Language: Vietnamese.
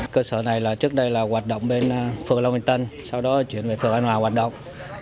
cơ sở này trước đây là hoạt động bên phường long vinh tân sau đó chuyển về phường an hoa hoạt động